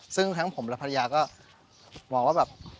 ซึ่งครั้งผมละพะยาก็เหมือนว่าแบบ